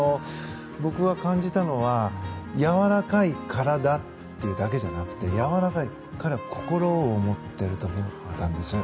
僕は感じたのはやわらかい体だけじゃなくてやわらかい心を持っていると思ったんです。